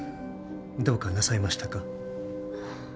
どうかなさいましたか？